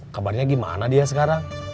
kabarnya gimana dia sekarang